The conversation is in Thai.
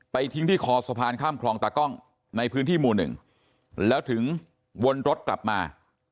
ทิ้งที่คอสะพานข้ามคลองตากล้องในพื้นที่หมู่หนึ่งแล้วถึงวนรถกลับมา